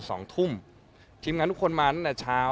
สองทุ่มทีมงานทุกคนมาตั้งแต่เช้า